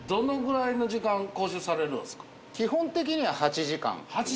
基本的には８時間！